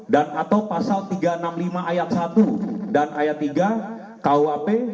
dan atau pasal tiga ratus enam puluh lima ayat satu dan ayat tiga kwp